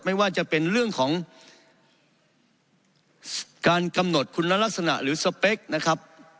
ไม่ว่าจะเป็นเรื่องของการกำหนดคุณลักษณะหรือสเปคนะครับ